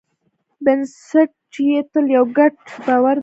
بنسټ یې تل یو ګډ باور دی.